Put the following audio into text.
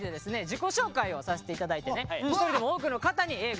自己紹介をさせて頂いてね一人でも多くの方にＡぇ！